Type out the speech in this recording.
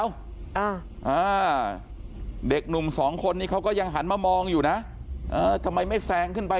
อ่าอ่าเด็กหนุ่มสองคนนี้เขาก็ยังหันมามองอยู่นะเออทำไมไม่แซงขึ้นไป